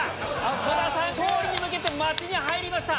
戸田さん勝利に向けて待ちに入りました。